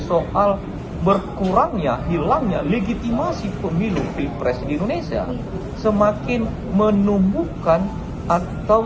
soal berkurangnya hilangnya legitimasi pemilu pilpres di indonesia semakin menumbuhkan atau